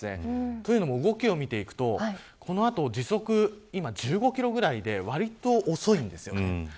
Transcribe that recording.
というのも、動きを見ていくとこの後、時速今１５キロぐらいでわりと遅いんですよね。